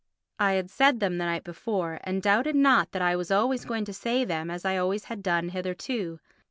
I had said them the night before and doubted not that I was always going to say them as I always had done hitherto.